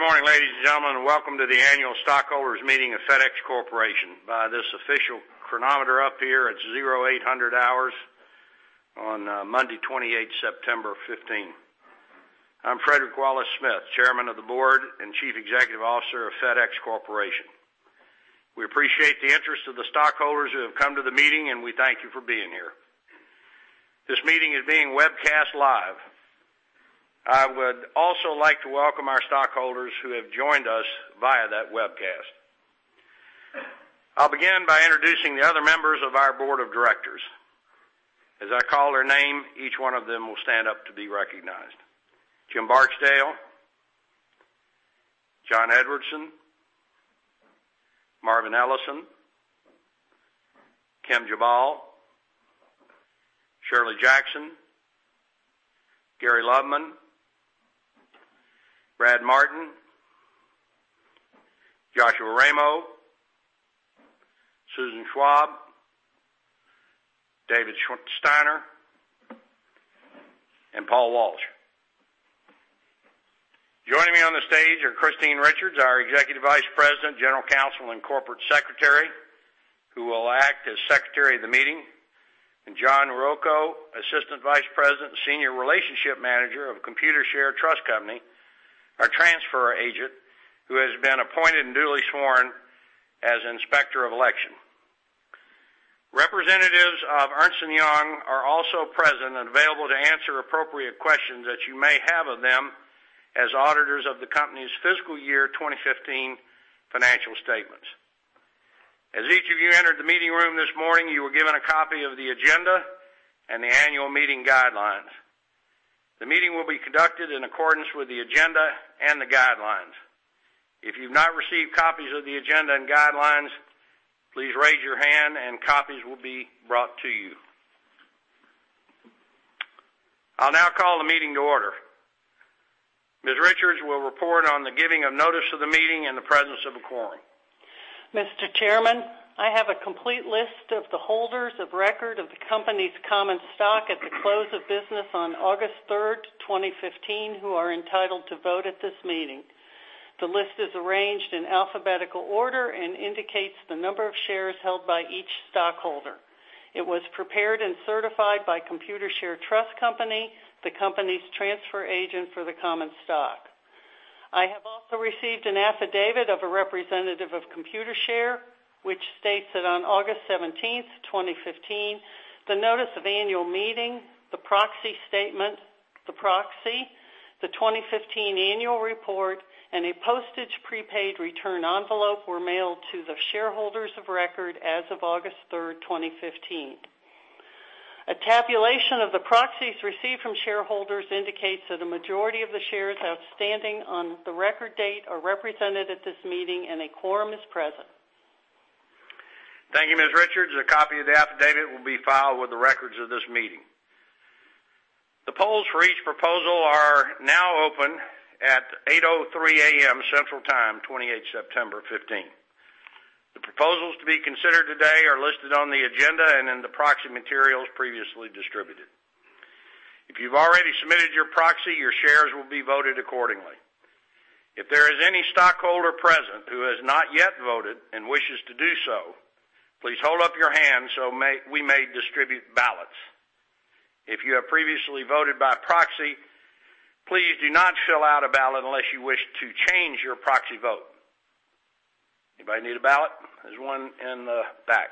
Good morning, ladies and gentlemen. Welcome to the annual stockholders meeting of FedEx Corporation. By this official chronometer up here, it's 8:00 A.M. on Monday, 28 September 2015. I'm Frederick Wallace Smith, Chairman of the Board and Chief Executive Officer of FedEx Corporation. We appreciate the interest of the stockholders who have come to the meeting, and we thank you for being here. This meeting is being webcast live. I would also like to welcome our stockholders who have joined us via that webcast. I'll begin by introducing the other members of our Board of Directors. As I call their name, each one of them will stand up to be recognized. Jim Barksdale, John Edwardson, Marvin Ellison, Kim Jabal, Shirley Jackson, Gary Loveman, Brad Martin, Joshua Ramo, Susan Schwab, David Steiner, and Paul Walsh. Joining me on the stage are Christine Richards, our Executive Vice President, General Counsel, and Corporate Secretary, who will act as Secretary of the meeting, and John Ruocco, Assistant Vice President, Senior Relationship Manager of Computershare Trust Company, our transfer agent, who has been appointed and duly sworn as Inspector of Election. Representatives of Ernst & Young are also present and available to answer appropriate questions that you may have of them as auditors of the company's fiscal year 2015 financial statements. As each of you entered the meeting room this morning, you were given a copy of the agenda and the annual meeting guidelines. The meeting will be conducted in accordance with the agenda and the guidelines. If you've not received copies of the agenda and guidelines, please raise your hand, and copies will be brought to you. I'll now call the meeting to order. Ms. Richards will report on the giving of notice of the meeting and the presence of a quorum. Mr. Chairman, I have a complete list of the holders of record of the company's common stock at the close of business on 3 August, 2015, who are entitled to vote at this meeting. The list is arranged in alphabetical order and indicates the number of shares held by each stockholder. It was prepared and certified by Computershare Trust Company, the company's transfer agent for the common stock. I have also received an affidavit of a representative of Computershare, which states that on 17 August, 2015, the notice of annual meeting, the proxy statement, the proxy, the 2015 annual report, and a postage prepaid return envelope were mailed to the shareholders of record as of 3 August, 2015. A tabulation of the proxies received from shareholders indicates that a majority of the shares outstanding on the record date are represented at this meeting, and a quorum is present. Thank you, Ms. Richards. A copy of the affidavit will be filed with the records of this meeting. The polls for each proposal are now open at 8:03 A.M. Central Time, 28 September, 2015. The proposals to be considered today are listed on the agenda and in the proxy materials previously distributed. If you've already submitted your proxy, your shares will be voted accordingly. If there is any stockholder present who has not yet voted and wishes to do so, please hold up your hand so we may distribute ballots. If you have previously voted by proxy, please do not fill out a ballot unless you wish to change your proxy vote. Anybody need a ballot? There's one in the back.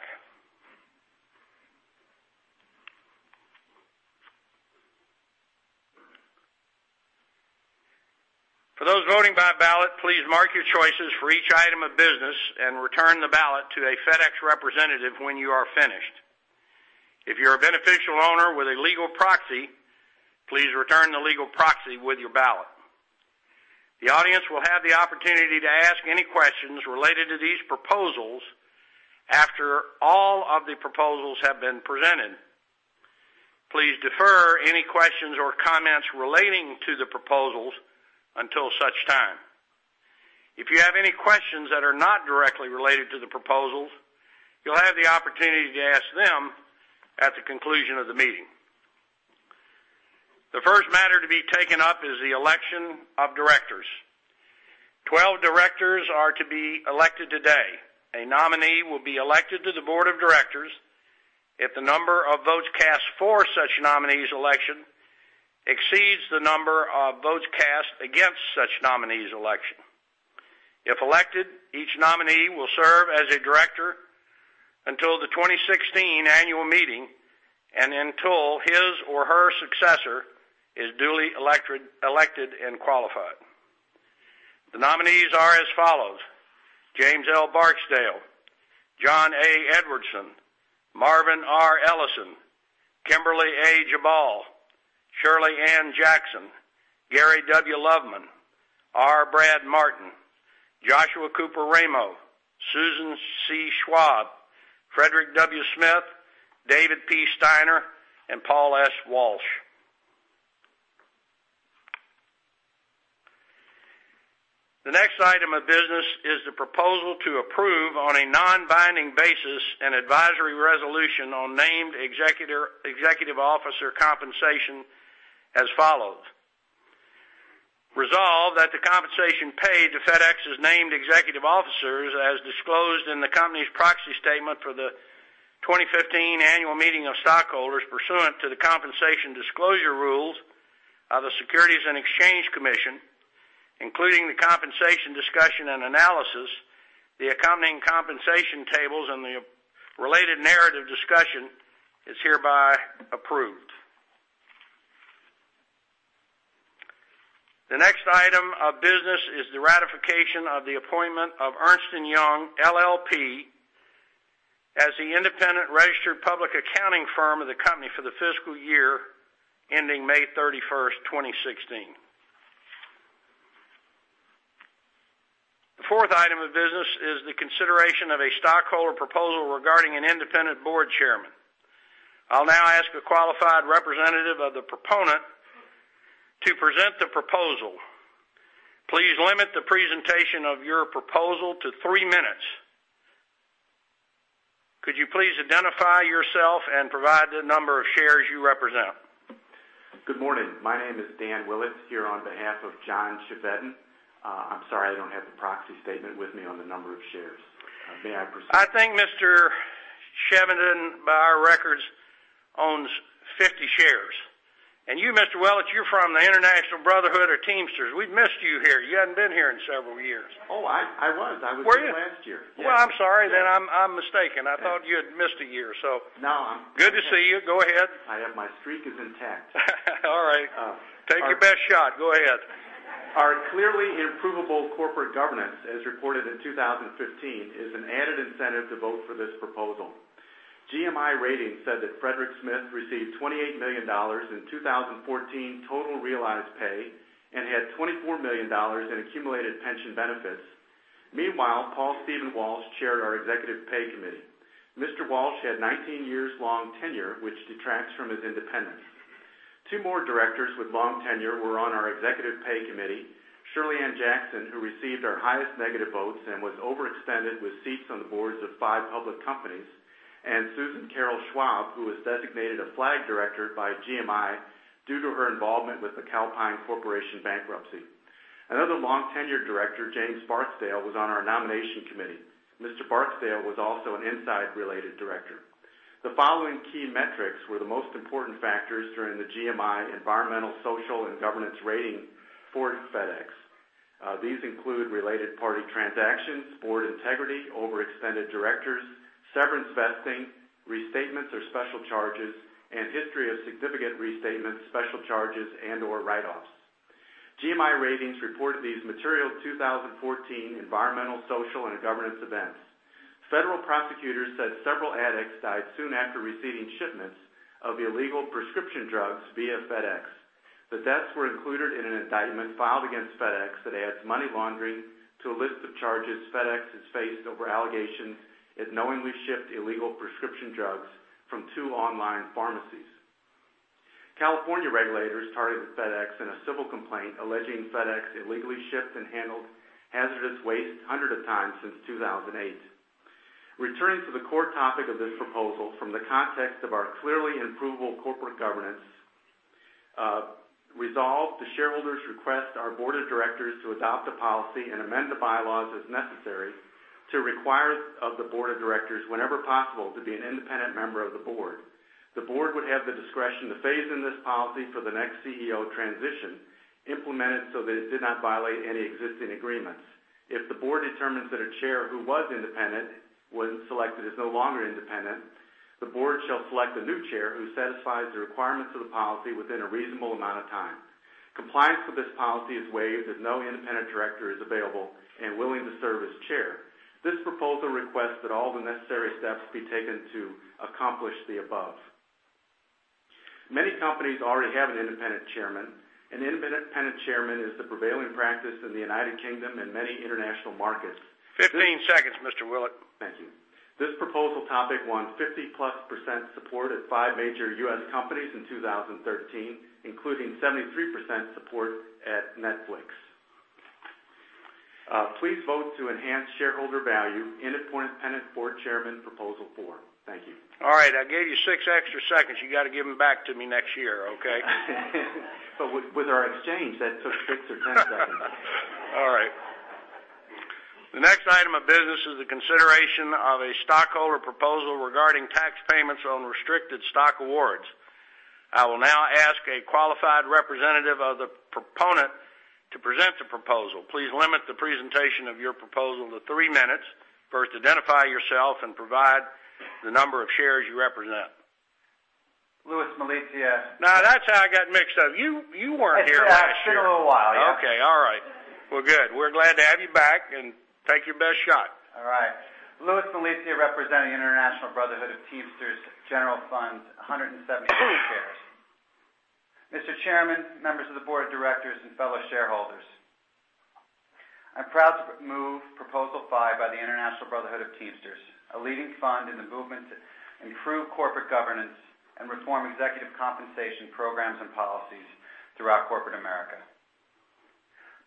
For those voting by ballot, please mark your choices for each item of business and return the ballot to a FedEx representative when you are finished. If you're a beneficial owner with a legal proxy, please return the legal proxy with your ballot. The audience will have the opportunity to ask any questions related to these proposals after all of the proposals have been presented. Please defer any questions or comments relating to the proposals until such time. If you have any questions that are not directly related to the proposals, you'll have the opportunity to ask them at the conclusion of the meeting. The first matter to be taken up is the election of directors. 12 directors are to be elected today. A nominee will be elected to the board of directors if the number of votes cast for such nominee's election exceeds the number of votes cast against such nominee's election. If elected, each nominee will serve as a director until the 2016 annual meeting and until his or her successor is duly elected and qualified. The nominees are as follows: James L. Barksdale, John A. Edwardson, Marvin R. Ellison, Kimberly A. Jabal, Shirley Ann Jackson, Gary W. Loveman, R. Brad Martin, Joshua Cooper Ramo, Susan C. Schwab, Frederick W. Smith, David P. Steiner, and Paul S. Walsh. The next item of business is the proposal to approve, on a non-binding basis, an advisory resolution on named executive officer compensation as follows.... Resolve that the compensation paid to FedEx's named executive officers, as disclosed in the company's proxy statement for the 2015 annual meeting of stockholders pursuant to the compensation disclosure rules of the Securities and Exchange Commission, including the compensation discussion and analysis, the accompanying compensation tables, and the related narrative discussion, is hereby approved. The next item of business is the ratification of the appointment of Ernst & Young LLP as the independent registered public accounting firm of the company for the fiscal year ending 31 May, 2016. The fourth item of business is the consideration of a stockholder proposal regarding an independent board chairman. I'll now ask a qualified representative of the proponent to present the proposal. Please limit the presentation of your proposal to three minutes. Could you please identify yourself and provide the number of shares you represent? Good morning. My name is Dan Willett, here on behalf of John Chevedden. I'm sorry, I don't have the proxy statement with me on the number of shares. May I proceed? I think Mr. Chevedden, by our records, owns 50 shares. You, Mr. Willett, you're from the International Brotherhood of Teamsters. We've missed you here. You hadn't been here in several years. Oh, I was. Were you? I was here last year. Well, I'm sorry, then I'm mistaken. I thought you had missed a year. So- No, I'm- Good to see you. Go ahead. I have... My streak is intact. All right. Take your best shot. Go ahead. Our clearly improvable corporate governance, as reported in 2015, is an added incentive to vote for this proposal. GMI Ratings said that Frederick Smith received $28 million in 2014 total realized pay and had $24 million in accumulated pension benefits. Meanwhile, Paul S. Walsh chaired our Executive Pay Committee. Mr. Walsh had 19 years long tenure, which detracts from his independence. Two more directors with long tenure were on our Executive Pay Committee, Shirley Ann Jackson, who received our highest negative votes and was overextended with seats on the boards of five public companies, and Susan C. Schwab, who was designated a flag director by GMI due to her involvement with the Calpine Corporation bankruptcy. Another long-tenured director, James Barksdale, was on our Nomination Committee. Mr. Barksdale was also an inside-related director. The following key metrics were the most important factors during the GMI environmental, social, and governance rating for FedEx. These include related party transactions, board integrity, overextended directors, severance vesting, restatements or special charges, and history of significant restatements, special charges, and/or write-offs. GMI Ratings reported these material 2014 environmental, social, and governance events. Federal prosecutors said several addicts died soon after receiving shipments of illegal prescription drugs via FedEx. The deaths were included in an indictment filed against FedEx that adds money laundering to a list of charges FedEx has faced over allegations it knowingly shipped illegal prescription drugs from two online pharmacies. California regulators targeted FedEx in a civil complaint, alleging FedEx illegally shipped and handled hazardous waste hundreds of times since 2008. Returning to the core topic of this proposal, from the context of our clearly improvable corporate governance resolve, the shareholders request our board of directors to adopt a policy and amend the bylaws as necessary, to require of the board of directors, whenever possible, to be an independent member of the board. The board would have the discretion to phase in this policy for the next CEO transition, implemented so that it did not violate any existing agreements. If the board determines that a chair who was independent, when selected, is no longer independent, the board shall select a new chair who satisfies the requirements of the policy within a reasonable amount of time. Compliance with this policy is waived if no independent director is available and willing to serve as chair. This proposal requests that all the necessary steps be taken to accomplish the above. Many companies already have an independent chairman. An independent chairman is the prevailing practice in the United Kingdom and many international markets. 15 seconds, Mr. Willett. Thank you. This proposal topic won 50+% support at five major U.S. companies in 2013, including 73% support at Netflix. Please vote to enhance shareholder value, independent board chairman, Proposal Four. Thank you. All right, I gave you six extra seconds. You got to give them back to me next year, okay? But with our exchange, that's six or 10 seconds. All right. The next item of business is the consideration of a stockholder proposal regarding tax payments on restricted stock awards. I will now ask a qualified representative of the proponent to present the proposal. Please limit the presentation of your proposal to three minutes. First, identify yourself and provide the number of shares you represent. Louis Malizia. Now, that's how I got mixed up. You, you weren't here last year. It's been a while, yeah. Okay. All right. Well, good. We're glad to have you back, and take your best shot. All right. Louis Malizia, representing International Brotherhood of Teamsters General Fund, 170 million shares. Mr. Chairman, members of the board of directors, and fellow shareholders, I'm proud to move Proposal Five by the International Brotherhood of Teamsters, a leading fund in the movement to improve corporate governance and reform executive compensation programs and policies throughout corporate America.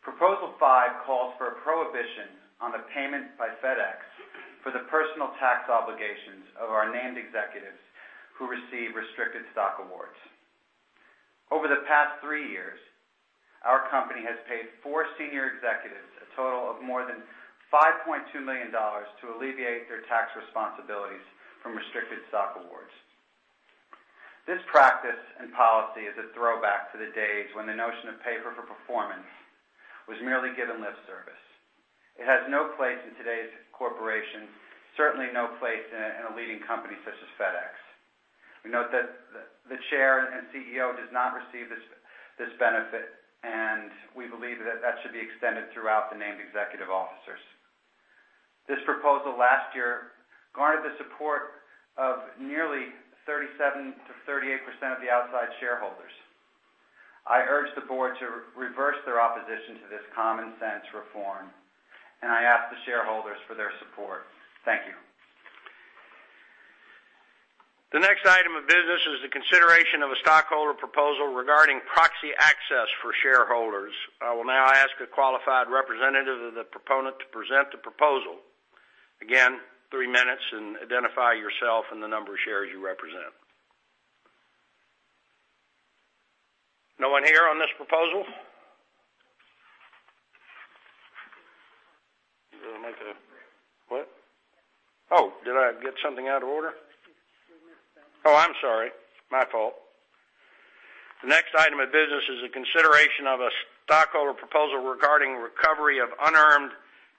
Proposal Five calls for a prohibition on the payment by FedEx for the personal tax obligations of our named executives who receive restricted stock awards. Over the past three years, our company has paid four senior executives a total of more than $5.2 million to alleviate their tax responsibilities from restricted stock awards. This practice and policy is a throwback to the days when the notion of pay for, for performance was merely given lip service. It has no place in today's corporation, certainly no place in a, in a leading company such as FedEx. We note that the, the chair and CEO does not receive this, this benefit, and we believe that that should be extended throughout the named executive officers. This proposal last year garnered the support of nearly 37%-38% of the outside shareholders. I urge the board to reverse their opposition to this common sense reform, and I ask the shareholders for their support. Thank you. The next item of business is the consideration of a stockholder proposal regarding proxy access for shareholders. I will now ask a qualified representative of the proponent to present the proposal. Again, 3 minutes, and identify yourself and the number of shares you represent. No one here on this proposal? You want to make a what? Oh, did I get something out of order? Oh, I'm sorry. My fault. The next item of business is a consideration of a stockholder proposal regarding recovery of unearned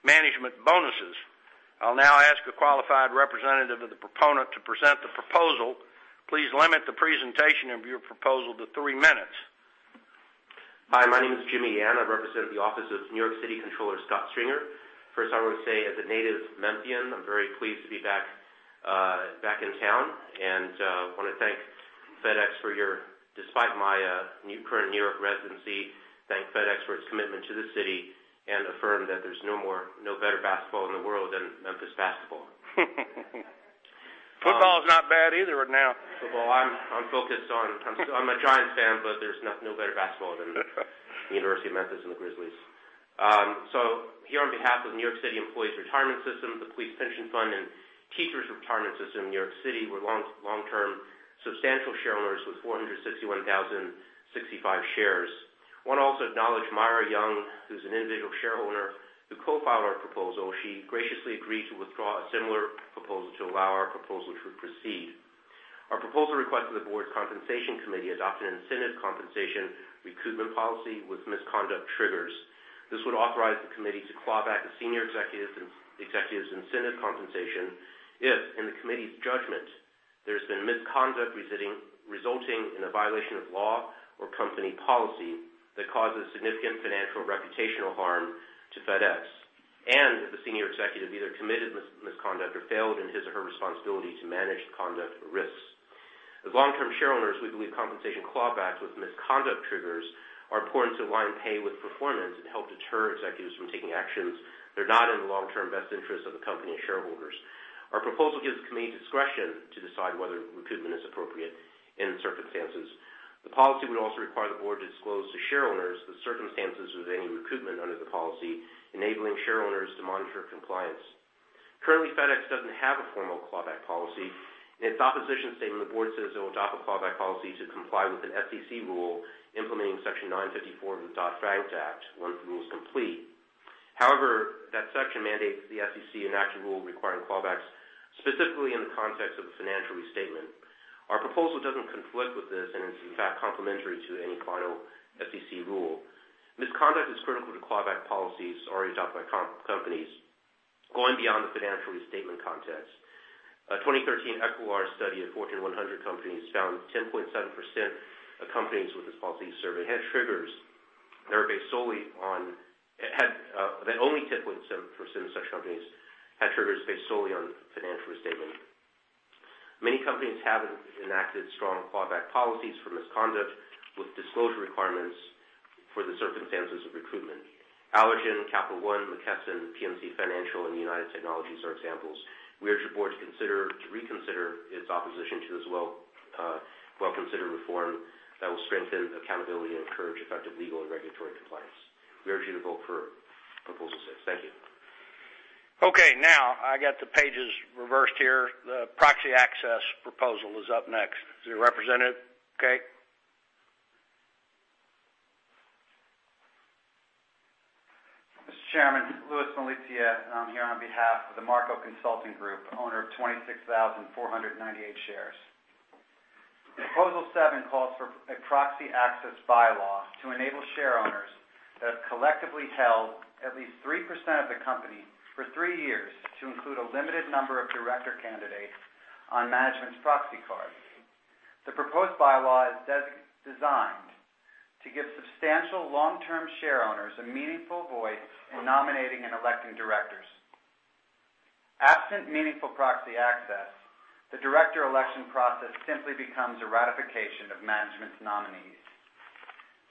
management bonuses. I'll now ask a qualified representative of the proponent to present the proposal. Please limit the presentation of your proposal to three minutes. Hi, my name is Jimmy Yan. I represent the office of New York City Comptroller Scott Stringer. First, I want to say, as a native Memphian, I'm very pleased to be back in town, and want to thank FedEx for your, despite my new current New York residency, thank FedEx for its commitment to the city and affirm that there's no more, no better basketball in the world than Memphis basketball. Football is not bad either right now. Well, I'm focused on... I'm a Giants fan, but there's no better basketball than the University of Memphis and the Grizzlies. So here, on behalf of New York City Employees' Retirement System, the New York City Police Pension Fund, and Teachers' Retirement System of the City of New York, we're long-term substantial shareholders with 461,065 shares. I want to also acknowledge Myra Young, who's an individual shareholder, who co-filed our proposal. She graciously agreed to withdraw a similar proposal to allow our proposal to proceed. Our proposal requests that the board's Compensation Committee adopt an incentive compensation recoupment policy with misconduct triggers. This would authorize the committee to claw back the senior executives' and the executives' incentive compensation if, in the committee's judgment, there's been misconduct resulting in a violation of law or company policy that causes significant financial reputational harm to FedEx. And that the senior executive either committed misconduct or failed in his or her responsibility to manage the conduct risks. As long-term shareholders, we believe compensation clawbacks with misconduct triggers are important to align pay with performance and help deter executives from taking actions that are not in the long-term best interest of the company and shareholders. Our proposal gives the committee discretion to decide whether recoupment is appropriate in the circumstances. The policy would also require the board to disclose to shareholders the circumstances of any recoupment under the policy, enabling shareholders to monitor compliance. Currently, FedEx doesn't have a formal clawback policy. In its opposition statement, the board says it will adopt a clawback policy to comply with an SEC rule implementing Section 954 of the Dodd-Frank Act, once the rule is complete. However, that section mandates the SEC enacted rule requiring clawbacks, specifically in the context of a financial restatement. Our proposal doesn't conflict with this, and it's in fact, complementary to any final SEC rule. Misconduct is critical to clawback policies already adopted by companies. Going beyond the financial restatement context, a 2013 Equilar study of Fortune 100 companies found 10.7% of companies with this policy surveyed had triggers that are based solely on financial restatement. Many companies have enacted strong clawback policies for misconduct, with disclosure requirements for the circumstances of recoupment. Allergan, Capital One, McKesson, PNC Financial, and United Technologies are examples. We urge your board to consider, to reconsider its opposition to this well-considered reform that will strengthen accountability and encourage effective legal and regulatory compliance. We urge you to vote for Proposal Six. Thank you. Okay, now, I got the pages reversed here. The proxy access proposal is up next. Is there a representative? Okay. Mr. Chairman, Louis Malizia, and I'm here on behalf of the Marco Consulting Group, owner of 26,498 shares. Proposal Seven calls for a proxy access bylaw to enable share owners that have collectively held at least 3% of the company for three years to include a limited number of director candidates on management's proxy card. The proposed bylaw is designed to give substantial long-term share owners a meaningful voice in nominating and electing directors. Absent meaningful proxy access, the director election process simply becomes a ratification of management's nominees.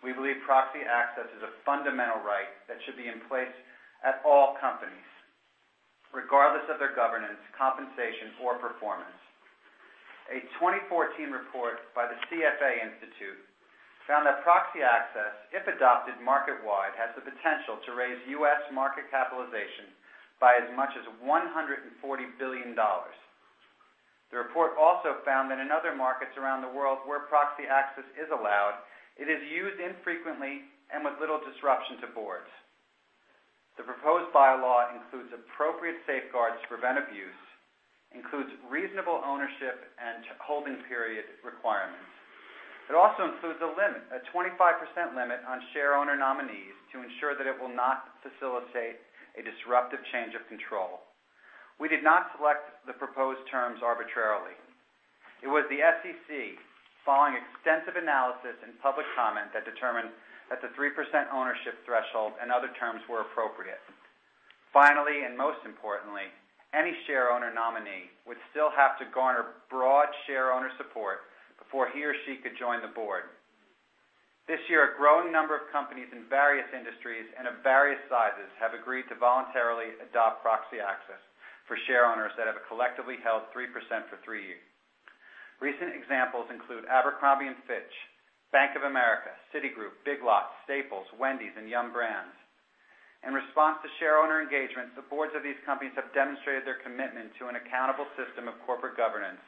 We believe proxy access is a fundamental right that should be in place at all companies, regardless of their governance, compensation, or performance. A 2014 report by the CFA Institute found that proxy access, if adopted market-wide, has the potential to raise U.S. market capitalization by as much as $140 billion. The report also found that in other markets around the world where proxy access is allowed, it is used infrequently and with little disruption to boards. The proposed bylaw includes appropriate safeguards to prevent abuse, includes reasonable ownership and holding period requirements. It also includes a limit, a 25% limit on shareowner nominees to ensure that it will not facilitate a disruptive change of control. We did not select the proposed terms arbitrarily. It was the SEC, following extensive analysis and public comment, that determined that the 3% ownership threshold and other terms were appropriate. Finally, and most importantly, any shareowner nominee would still have to garner broad shareowner support before he or she could join the board. This year, a growing number of companies in various industries and of various sizes have agreed to voluntarily adopt proxy access for shareowners that have collectively held 3% for three years. Recent examples include Abercrombie & Fitch, Bank of America, Citigroup, Big Lots, Staples, Wendy's, and Yum! Brands. In response to shareowner engagement, the boards of these companies have demonstrated their commitment to an accountable system of corporate governance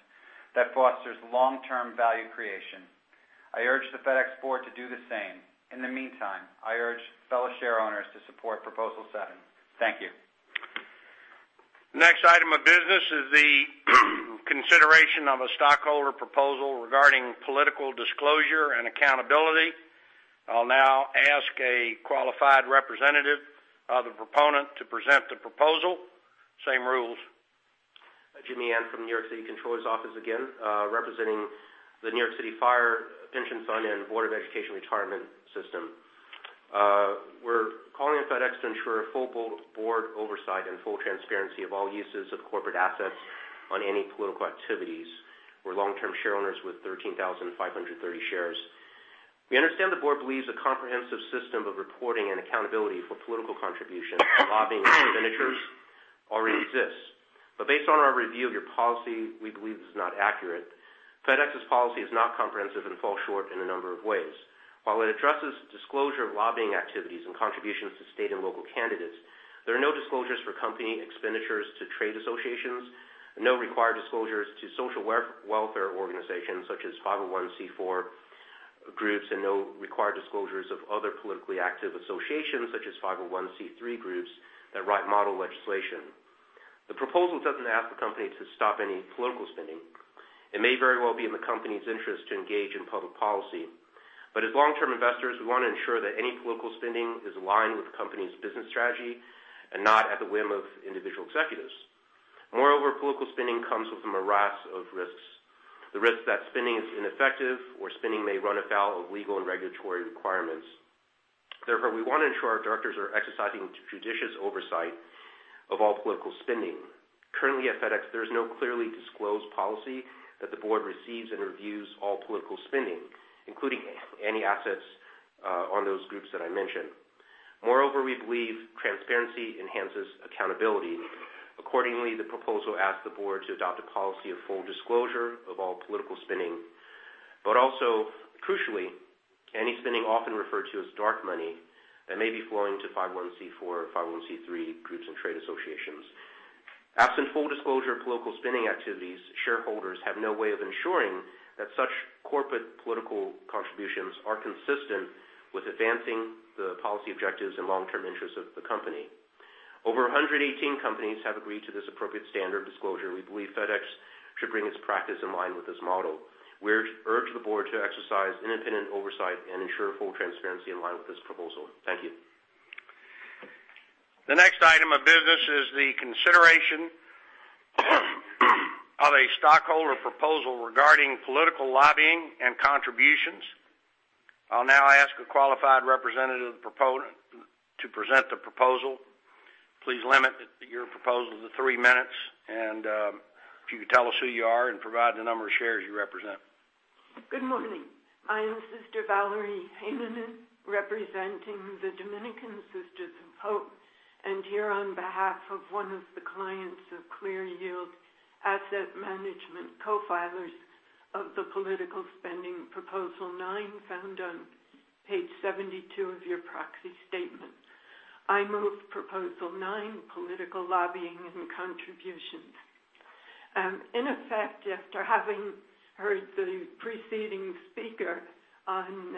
that fosters long-term value creation. I urge the FedEx board to do the same. In the meantime, I urge fellow shareowners to support Proposal Seven. Thank you. The next item of business is the consideration of a stockholder proposal regarding political disclosure and accountability. I'll now ask a qualified representative of the proponent to present the proposal. Same rules. Jimmy Yan from New York City Comptroller's Office again, representing the New York City Fire Pension Fund and New York City Board of Education Retirement System. We're calling on FedEx to ensure full board oversight and full transparency of all uses of corporate assets on any political activities. We're long-term shareowners with 13,530 shares. We understand the board believes a comprehensive system of reporting and accountability for political contributions, lobbying expenditures already exists. But based on our review of your policy, we believe this is not accurate. FedEx's policy is not comprehensive and falls short in a number of ways. While it addresses disclosure of lobbying activities and contributions to state and local candidates, there are no disclosures for company expenditures to trade associations, no required disclosures to social welfare organizations such as 501 groups, and no required disclosures of other politically active associations, such as 501 groups, that write model legislation. The proposal doesn't ask the company to stop any political spending. It may very well be in the company's interest to engage in public policy. But as long-term investors, we want to ensure that any political spending is aligned with the company's business strategy and not at the whim of individual executives. Moreover, political spending comes with a morass of risks, the risk that spending is ineffective or spending may run afoul of legal and regulatory requirements. Therefore, we want to ensure our directors are exercising judicious oversight of all political spending. Currently, at FedEx, there is no clearly disclosed policy that the board receives and reviews all political spending, including any assets on those groups that I mentioned. Moreover, we believe transparency enhances accountability. Accordingly, the proposal asks the board to adopt a policy of full disclosure of all political spending, but also, crucially, any spending often referred to as dark money that may be flowing to 501 or 501 groups and trade associations. Absent full disclosure of political spending activities, shareholders have no way of ensuring that such corporate political contributions are consistent with advancing the policy objectives and long-term interests of the company. Over 118 companies have agreed to this appropriate standard of disclosure. We believe FedEx should bring its practice in line with this model. We urge the board to exercise independent oversight and ensure full transparency in line with this proposal. Thank you. The next item of business is the consideration of a stockholder proposal regarding political lobbying and contributions. I'll now ask a qualified representative proponent to present the proposal. Please limit your proposal to three minutes, and, if you could tell us who you are and provide the number of shares you represent. Good morning. I am Sister Valerie Heinonen, representing the Dominican Sisters of Hope, and here on behalf of one of the clients of Clean Yield Asset Management, co-filers of the political spending Proposal Nine, found on page 72 of your proxy statement. I move Proposal Nine, political lobbying and contributions. In effect, after having heard the preceding speaker on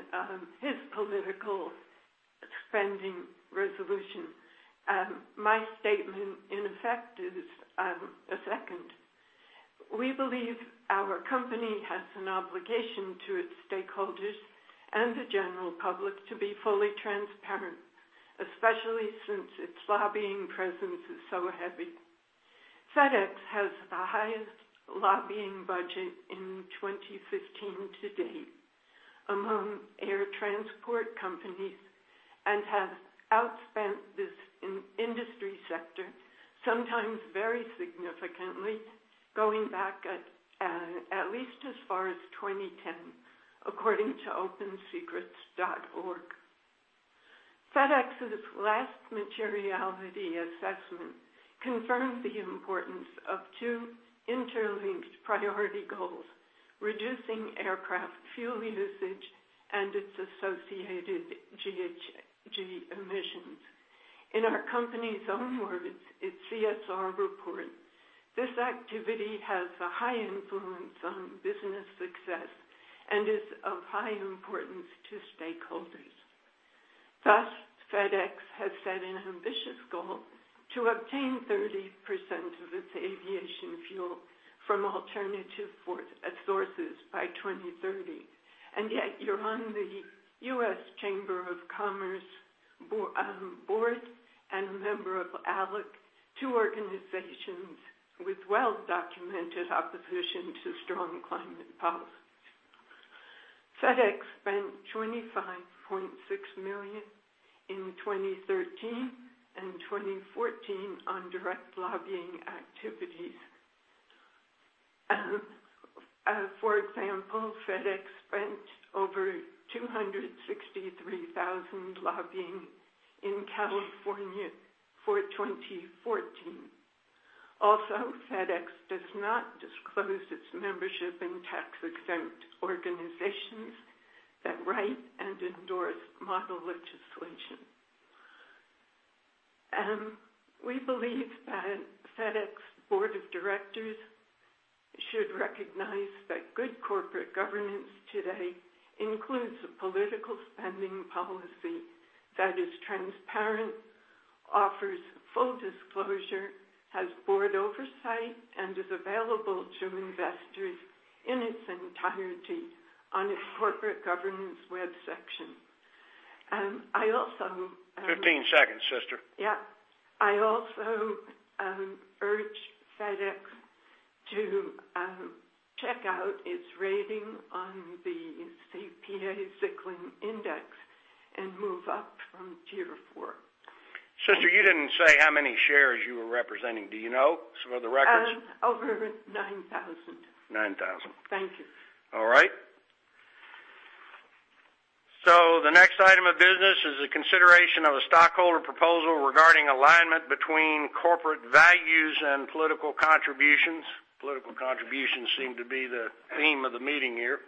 his political spending resolution, my statement, in effect, is a second. We believe our company has an obligation to its stakeholders and the general public to be fully transparent, especially since its lobbying presence is so heavy. FedEx has the highest lobbying budget in 2015 to date among air transport companies and has outspent this in-industry sector, sometimes very significantly, going back at least as far as 2010, according to opensecrets.org. FedEx's last materiality assessment confirms the importance of two interlinked priority goals: reducing aircraft fuel usage and its associated GHG emissions. In our company's own words, its CSR report, this activity has a high influence on business success and is of high importance to stakeholders. Thus, FedEx has set an ambitious goal to obtain 30% of its aviation fuel from alternative sources by 2030, and yet you're on the U.S. Chamber of Commerce Board and a member of ALEC, two organizations with well-documented opposition to strong climate policy. FedEx spent $25.6 million in 2013 and 2014 on direct lobbying activities. For example, FedEx spent over $263,000 lobbying in California for 2014. Also, FedEx does not disclose its membership in tax-exempt organizations that write and endorse model legislation. We believe that FedEx Board of Directors should recognize that good corporate governance today includes a political spending policy that is transparent, offers full disclosure, has board oversight, and is available to investors in its entirety on its corporate governance web section. I also, 15 seconds, sister. Yeah. I also urge FedEx to check out its rating on the CPA-Zicklin Index and move up from tier four. Sister, you didn't say how many shares you were representing. Do you know for the record? Over 9,000. Nine thousand. Thank you. All right. So the next item of business is a consideration of a stockholder proposal regarding alignment between corporate values and political contributions. Political contributions seem to be the theme of the meeting here.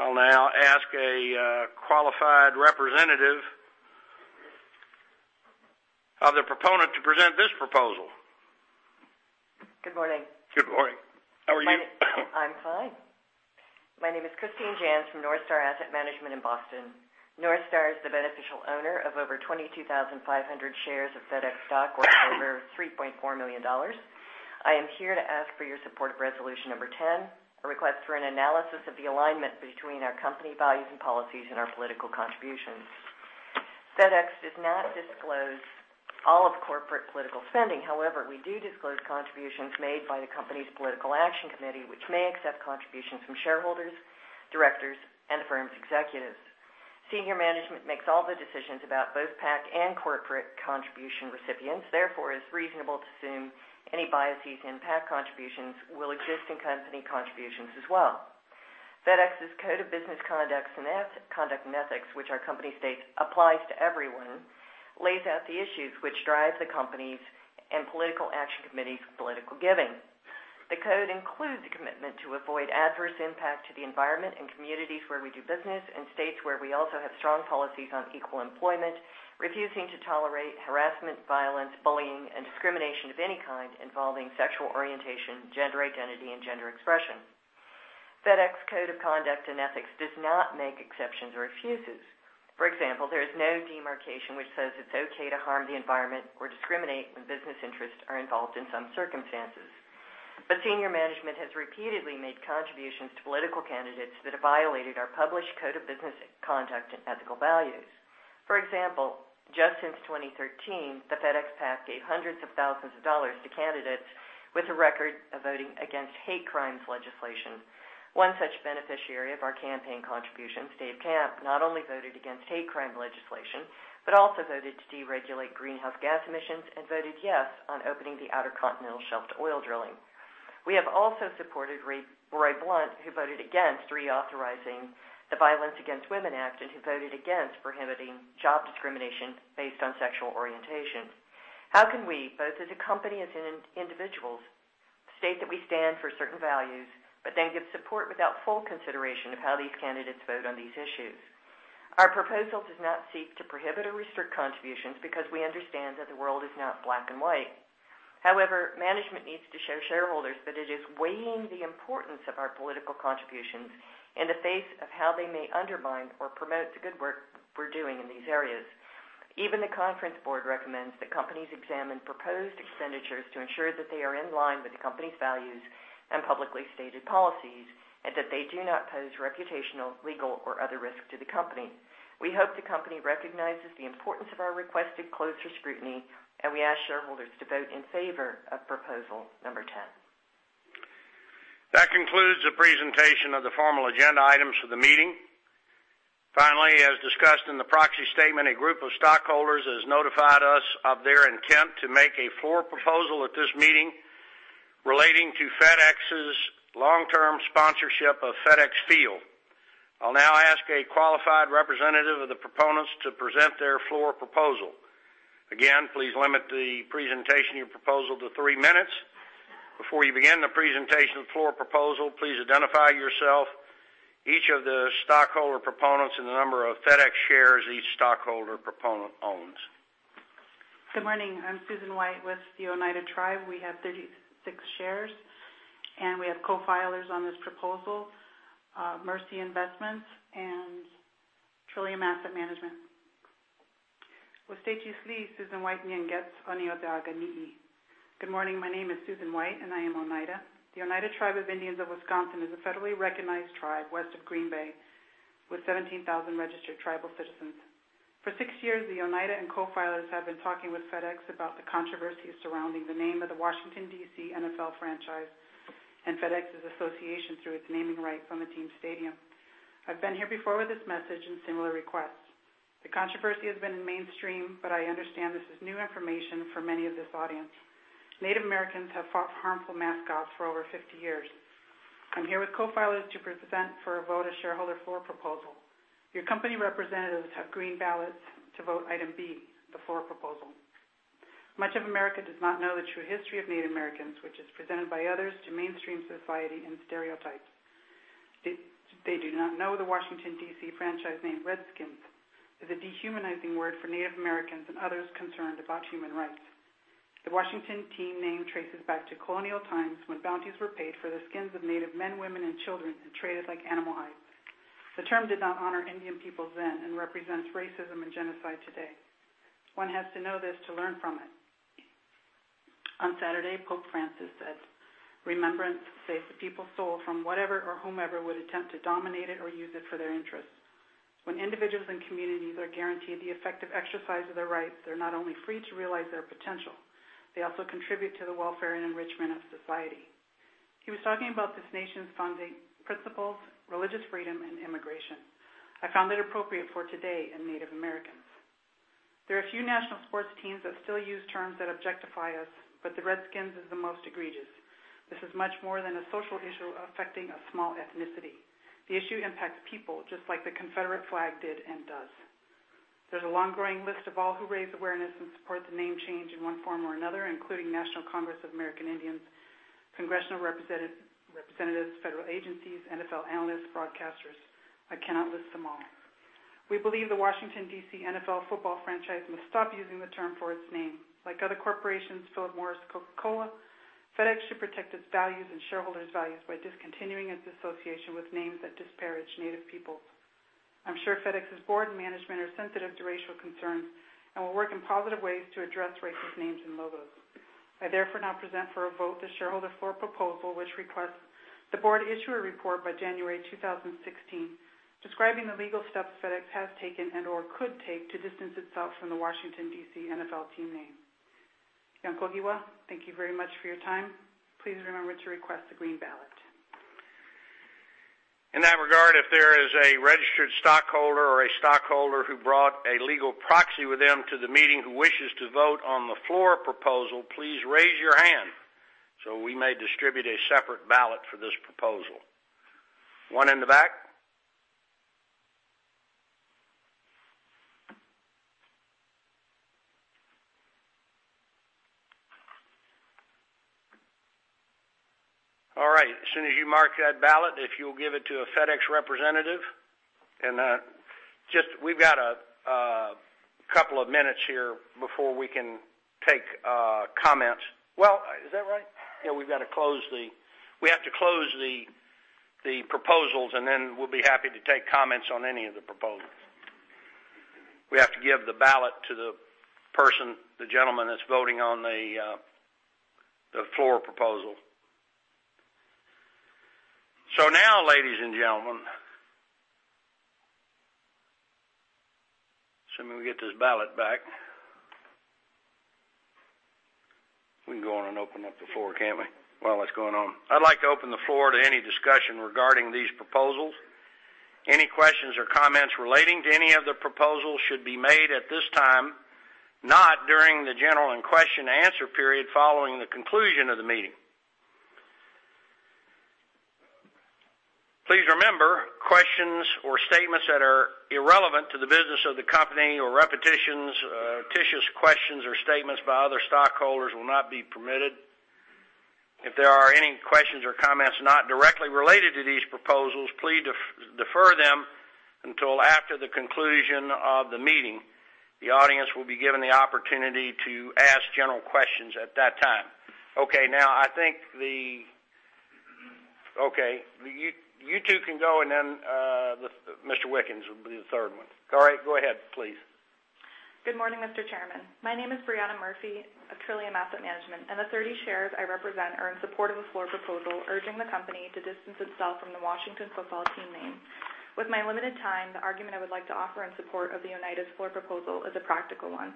I'll now ask a qualified representative of the proponent to present this proposal. Good morning. Good morning. How are you? I'm fine. My name is Christine Jantz from NorthStar Asset Management in Boston. NorthStar is the beneficial owner of over 22,500 shares of FedEx stock, worth over $3.4 million. I am here to ask for your support of resolution number 10, a request for an analysis of the alignment between our company values and policies and our political contributions. FedEx does not disclose all of corporate political spending. However, we do disclose contributions made by the company's political action committee, which may accept contributions from shareholders, directors, and the firm's executives. Senior management makes all the decisions about both PAC and corporate contribution recipients, therefore, it's reasonable to assume any biases in PAC contributions will exist in company contributions as well. FedEx's Code of Business Conduct and Ethics, which our company states applies to everyone, lays out the issues which drives the company's and political action committee's political giving. The code includes a commitment to avoid adverse impact to the environment and communities where we do business, and states that we also have strong policies on equal employment, refusing to tolerate harassment, violence, bullying, and discrimination of any kind involving sexual orientation, gender identity, and gender expression. FedEx Code of Conduct and Ethics does not make exceptions or excuses. For example, there is no demarcation which says it's okay to harm the environment or discriminate when business interests are involved in some circumstances. But senior management has repeatedly made contributions to political candidates that have violated our published code of business conduct and ethical values. For example, just since 2013, the FedEx PAC gave $hundreds of thousands to candidates with a record of voting against hate crimes legislation. One such beneficiary of our campaign contribution, Dave Camp, not only voted against hate crime legislation, but also voted to deregulate greenhouse gas emissions and voted yes on opening the Outer Continental Shelf to oil drilling. We have also supported Roy Blunt, who voted against reauthorizing the Violence Against Women Act and who voted against prohibiting job discrimination based on sexual orientation. How can we, both as a company and as individuals, state that we stand for certain values, but then give support without full consideration of how these candidates vote on these issues? Our proposal does not seek to prohibit or restrict contributions, because we understand that the world is not black and white. However, management needs to show shareholders that it is weighing the importance of our political contributions in the face of how they may undermine or promote the good work we're doing in these areas. Even The Conference Board recommends that companies examine proposed expenditures to ensure that they are in line with the company's values and publicly stated policies, and that they do not pose reputational, legal, or other risk to the company. We hope the company recognizes the importance of our requested closer scrutiny, and we ask shareholders to vote in favor of proposal number 10. That concludes the presentation of the formal agenda items for the meeting. Finally, as discussed in the proxy statement, a group of stockholders has notified us of their intent to make a floor proposal at this meeting... relating to FedEx's long-term sponsorship of FedEx Field. I'll now ask a qualified representative of the proponents to present their floor proposal. Again, please limit the presentation of your proposal to three minutes. Before you begin the presentation of the floor proposal, please identify yourself, each of the stockholder proponents, and the number of FedEx shares each stockholder proponent owns. Good morning. I'm Susan White with the Oneida Tribe. We have 36 shares, and we have co-filers on this proposal, Mercy Investments and Trillium Asset Management. Susan White. Good morning. My name is Susan White, and I am Oneida. The Oneida Tribe of Indians of Wisconsin is a federally recognized tribe west of Green Bay, with 17,000 registered tribal citizens. For 6 years, the Oneida and co-filers have been talking with FedEx about the controversy surrounding the name of the Washington, D.C., NFL franchise and FedEx's association through its naming rights on the team's stadium. I've been here before with this message and similar requests. The controversy has been mainstream, but I understand this is new information for many of this audience. Native Americans have fought harmful mascots for over 50 years. I'm here with co-filers to present for a vote, a shareholder floor proposal. Your company representatives have green ballots to vote item B, the floor proposal. Much of America does not know the true history of Native Americans, which is presented by others to mainstream society in stereotypes. They do not know the Washington, D.C., franchise named Redskins is a dehumanizing word for Native Americans and others concerned about human rights. The Washington team name traces back to colonial times, when bounties were paid for the skins of Native men, women, and children and traded like animal hides. The term did not honor Indian peoples then and represents racism and genocide today. One has to know this to learn from it. On Saturday, Pope Francis said, "Remembrance saves the people's soul from whatever or whomever would attempt to dominate it or use it for their interests. When individuals and communities are guaranteed the effective exercise of their rights, they're not only free to realize their potential, they also contribute to the welfare and enrichment of society." He was talking about this nation's founding principles, religious freedom, and immigration. I found it appropriate for today and Native Americans. There are a few national sports teams that still use terms that objectify us, but the Redskins is the most egregious. This is much more than a social issue affecting a small ethnicity. The issue impacts people, just like the Confederate flag did and does. There's a long-growing list of all who raise awareness and support the name change in one form or another, including National Congress of American Indians, congressional representatives, federal agencies, NFL analysts, broadcasters. I cannot list them all. We believe the Washington, D.C., NFL football franchise must stop using the term for its name. Like other corporations, Philip Morris, Coca-Cola, FedEx should protect its values and shareholders' values by discontinuing its association with names that disparage Native peoples. I'm sure FedEx's board and management are sensitive to racial concerns and will work in positive ways to address racist names and logos. I therefore now present for a vote the shareholder floor proposal, which requests the board issue a report by January 2016, describing the legal steps FedEx has taken and/or could take to distance itself from the Washington, D.C., NFL team name. Thank you very much for your time. Please remember to request a green ballot. In that regard, if there is a registered stockholder or a stockholder who brought a legal proxy with them to the meeting, who wishes to vote on the floor proposal, please raise your hand so we may distribute a separate ballot for this proposal. One in the back? All right, as soon as you mark that ballot, if you'll give it to a FedEx representative, and we've got a couple of minutes here before we can take comments. Well, is that right? Yeah, we've got to close the—we have to close the proposals, and then we'll be happy to take comments on any of the proposals. We have to give the ballot to the person, the gentleman that's voting on the floor proposal. So now, ladies and gentlemen... As soon as we get this ballot back, we can go on and open up the floor, can't we? While that's going on, I'd like to open the floor to any discussion regarding these proposals. Any questions or comments relating to any of the proposals should be made at this time, not during the general and question and answer period following the conclusion of the meeting. Please remember, questions or statements that are irrelevant to the business of the company or repetitions, repetitious questions or statements by other stockholders will not be permitted. If there are any questions or comments not directly related to these proposals, please defer them until after the conclusion of the meeting. The audience will be given the opportunity to ask general questions at that time. Okay, now, I think the... Okay, you two can go, and then, Mr. Wickens will be the third one. All right, go ahead, please. Good morning, Mr. Chairman. My name is Brianna Murphy of Trillium Asset Management, and the 30 shares I represent are in support of the floor proposal, urging the company to distance itself from the Washington football team name. With my limited time, the argument I would like to offer in support of the Oneida's floor proposal is a practical one.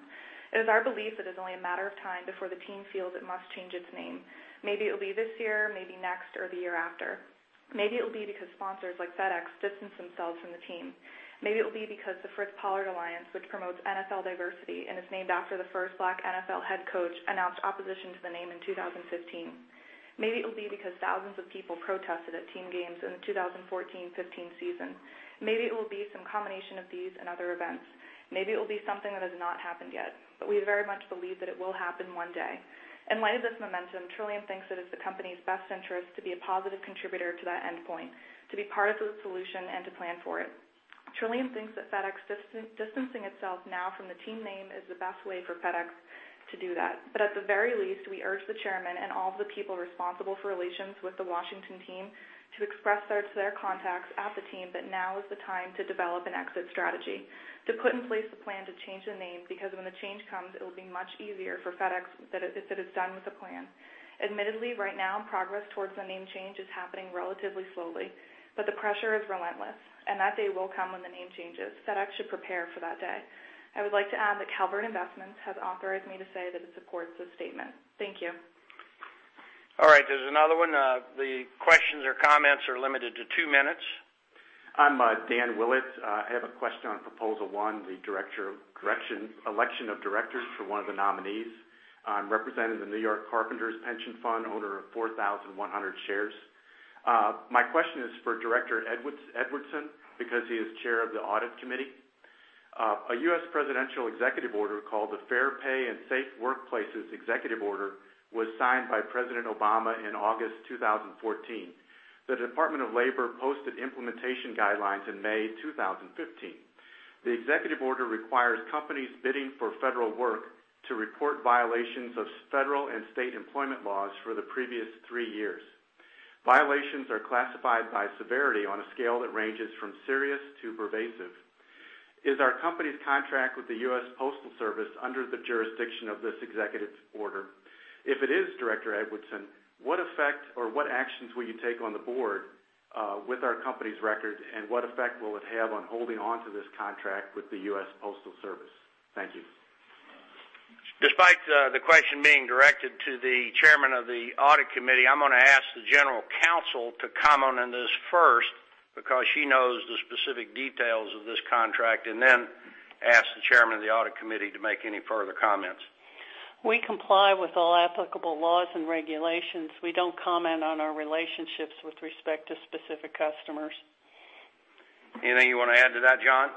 It is our belief that it's only a matter of time before the team feels it must change its name. Maybe it will be this year, maybe next, or the year after.... Maybe it will be because sponsors like FedEx distance themselves from the team. Maybe it will be because the Fritz Pollard Alliance, which promotes NFL diversity and is named after the first Black NFL head coach, announced opposition to the name in 2015. Maybe it will be because thousands of people protested at team games in the 2014-15 season. Maybe it will be some combination of these and other events. Maybe it will be something that has not happened yet, but we very much believe that it will happen one day. In light of this momentum, Trillium thinks that it's the company's best interest to be a positive contributor to that endpoint, to be part of the solution and to plan for it. Trillium thinks that FedEx distancing itself now from the team name is the best way for FedEx to do that. But at the very least, we urge the chairman and all the people responsible for relations with the Washington team to express their, to their contacts at the team that now is the time to develop an exit strategy, to put in place a plan to change the name, because when the change comes, it will be much easier for FedEx that it, if it is done with a plan. Admittedly, right now, progress towards the name change is happening relatively slowly, but the pressure is relentless, and that day will come when the name changes. FedEx should prepare for that day. I would like to add that Calvert Investments has authorized me to say that it supports this statement. Thank you. All right, there's another one. The questions or comments are limited to two minutes. I'm Dan Willett. I have a question on proposal one, the election of directors for one of the nominees. I'm representing the New York Carpenters Pension Fund, owner of 4,100 shares. My question is for Director Edwardson, because he is chair of the audit committee. A U.S. presidential executive order called the Fair Pay and Safe Workplaces executive order was signed by President Obama in August 2014. The Department of Labor posted implementation guidelines in May 2015. The executive order requires companies bidding for federal work to report violations of federal and state employment laws for the previous three years. Violations are classified by severity on a scale that ranges from serious to pervasive. Is our company's contract with the US Postal Service under the jurisdiction of this executive order? If it is, Director Edwardson, what effect or what actions will you take on the board, with our company's record, and what effect will it have on holding onto this contract with the U.S. Postal Service? Thank you. Despite the question being directed to the Chairman of the Audit Committee, I'm gonna ask the General Counsel to comment on this first, because she knows the specific details of this contract, and then ask the Chairman of the Audit Committee to make any further comments. We comply with all applicable laws and regulations. We don't comment on our relationships with respect to specific customers. Anything you want to add to that, John?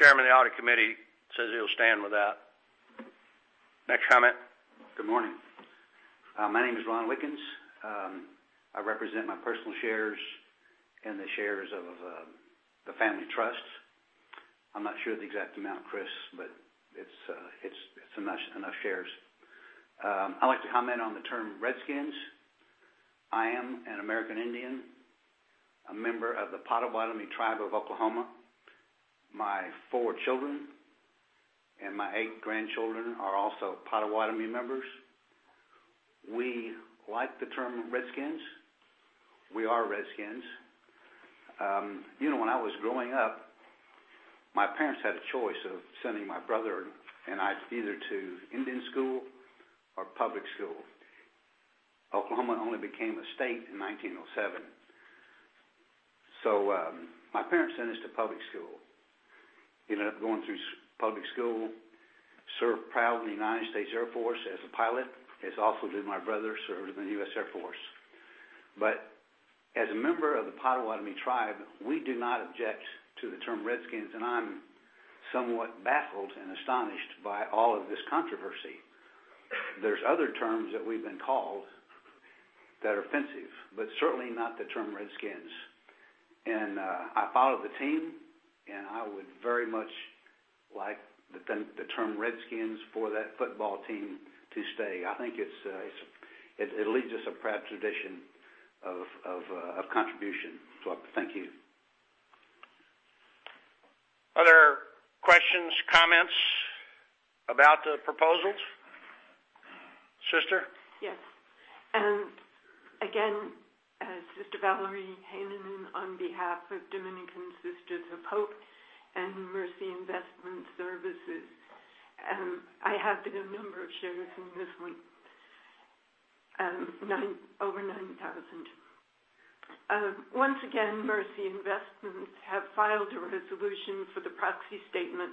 Chairman of the Audit Committee says he'll stand with that. Next comment. Good morning. My name is Ron Wickens. I represent my personal shares and the shares of the family trust. I'm not sure of the exact amount, Chris, but it's, it's enough shares. I'd like to comment on the term Redskins. I am an American Indian, a member of the Potawatomi Tribe of Oklahoma. My four children and my eight grandchildren are also Potawatomi members. We like the term Redskins. We are Redskins. You know, when I was growing up, my parents had a choice of sending my brother and I either to Indian school or public school. Oklahoma only became a state in 1907, so my parents sent us to public school. Ended up going through public school, served proudly in the United States Air Force as a pilot, as also did my brother, served in the U.S. Air Force. But as a member of the Potawatomi Tribe, we do not object to the term Redskins, and I'm somewhat baffled and astonished by all of this controversy. There's other terms that we've been called that are offensive, but certainly not the term Redskins. And I follow the team, and I would very much like the term, the term Redskins for that football team to stay. I think it's, it's it leaves us a proud tradition of, of, of contribution. So thank you. Other questions, comments about the proposals? Sister? Yes. And again, Sister Valerie Heinonen, on behalf of Dominican Sisters of Hope and Mercy Investment Services, I have been a number of shares in this one, over 9,000. Once again, Mercy Investment Services have filed a resolution for the proxy statement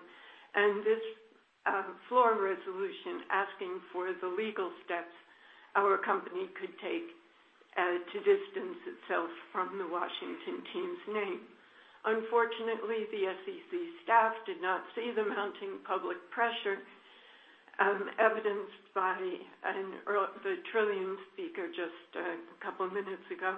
and this floor resolution asking for the legal steps our company could take to distance itself from the Washington team's name. Unfortunately, the SEC staff did not see the mounting public pressure, evidenced by the Trillium speaker just a couple minutes ago.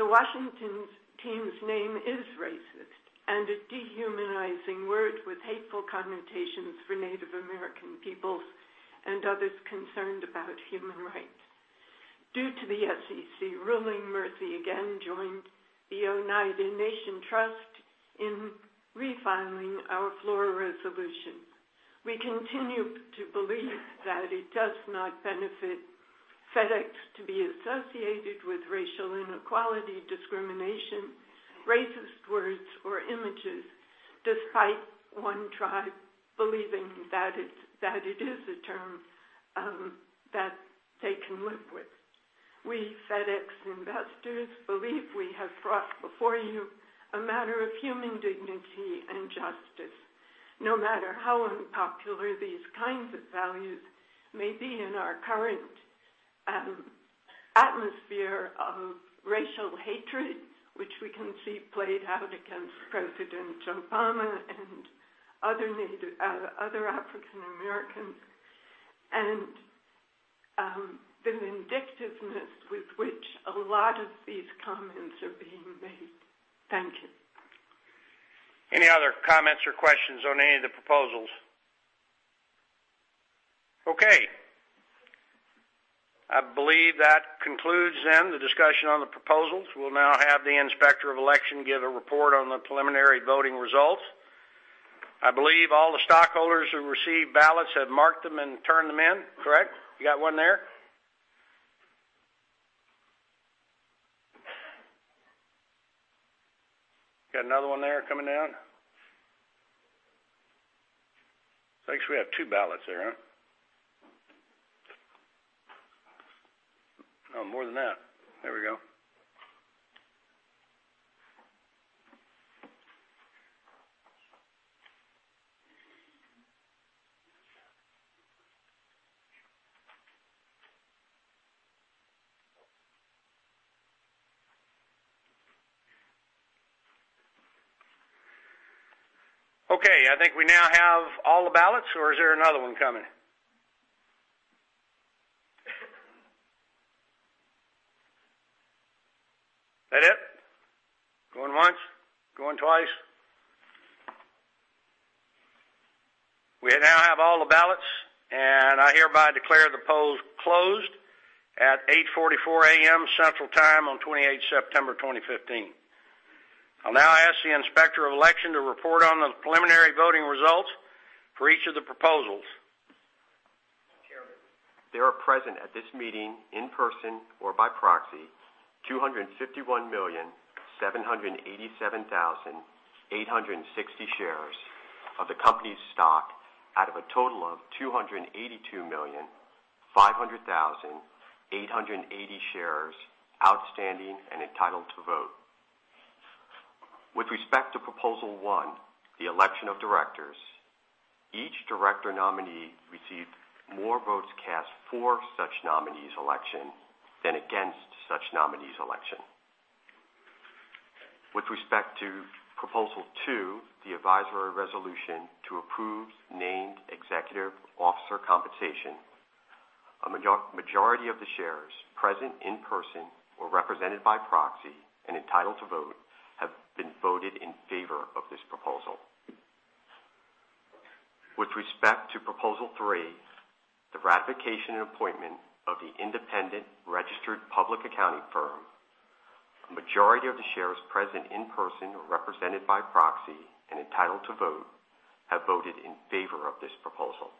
The Washington team's name is racist and a dehumanizing word with hateful connotations for Native American peoples and others concerned about human rights. Due to the SEC ruling, Mercy again joined the Oneida Tribe in refiling our floor resolution. We continue to believe that it does not benefit FedEx to be associated with racial inequality, racist words or images, despite one tribe believing that it is a term that they can live with. We, FedEx investors, believe we have brought before you a matter of human dignity and justice, no matter how unpopular these kinds of values may be in our current atmosphere of racial hatred, which we can see played out against President Obama and other Native, other African Americans, and the vindictiveness with which a lot of these comments are being made. Thank you. Any other comments or questions on any of the proposals? Okay. I believe that concludes then the discussion on the proposals. We'll now have the Inspector of Election give a report on the preliminary voting results. I believe all the stockholders who received ballots have marked them and turned them in. Correct? You got one there? Got another one there coming down. I think we have two ballots there, huh? Oh, more than that. There we go. Okay, I think we now have all the ballots, or is there another one coming? Is that it? Going once, going twice. We now have all the ballots, and I hereby declare the polls closed at 8:44 A.M. Central Time on 28th September 2015. I'll now ask the Inspector of Election to report on the preliminary voting results for each of the proposals. Chairman, there are present at this meeting, in person or by proxy, 251,787,860 shares of the company's stock, out of a total of 282,500,880 shares outstanding and entitled to vote. With respect to Proposal One, the election of directors, each director nominee received more votes cast for such nominee's election than against such nominee's election. With respect to Proposal Two, the advisory resolution to approve named executive officer compensation, a majority of the shares present in person or represented by proxy and entitled to vote, have been voted in favor of this proposal. With respect to Proposal Three, the ratification and appointment of the independent registered public accounting firm, a majority of the shares present in person or represented by proxy and entitled to vote, have voted in favor of this proposal.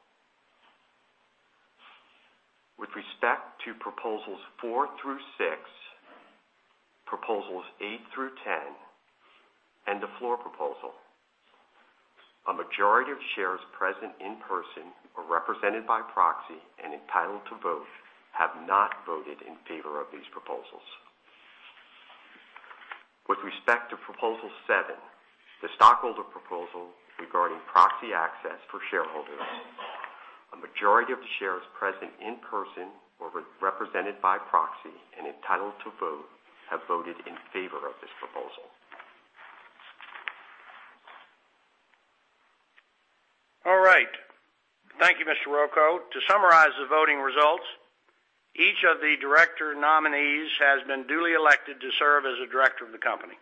With respect to Proposals Four through Six, Proposals Eight through Ten, and the Floor Proposal, a majority of shares present in person or represented by proxy and entitled to vote, have not voted in favor of these proposals. With respect to Proposal Seven, the stockholder proposal regarding proxy access for shareholders, a majority of the shares present in person or represented by proxy and entitled to vote, have voted in favor of this proposal. All right. Thank you, Mr. Ruocco. To summarize the voting results, each of the director nominees has been duly elected to serve as a director of the company.